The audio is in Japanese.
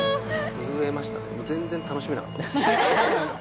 震えましたね、全然楽しめなかったですね。